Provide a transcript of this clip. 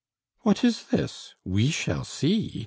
"What is this? 'We shall see?